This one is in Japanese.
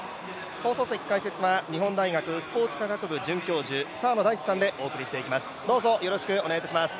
放送席開設は日本大学スポーツ科学部准教授澤野大地さんでお送りしていきます。